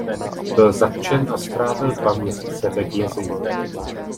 Byl zatčen a strávil dva měsíce ve vězení.